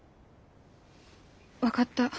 分かった。